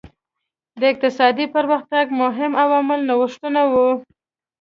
د اقتصادي پرمختګ مهم عامل نوښتونه وو.